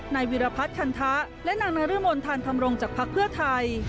นายวิรพัฒคัณภะและนางนรมดธรรมรงจากพักเพื่อไทย